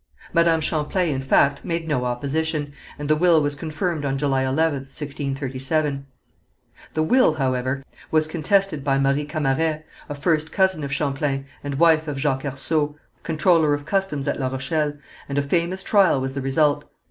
Madame Champlain, in fact, made no opposition, and the will was confirmed on July 11th, 1637. The will, however, was contested by Marie Camaret, a first cousin of Champlain, and wife of Jacques Hersault, comptroller of customs at La Rochelle, and a famous trial was the result.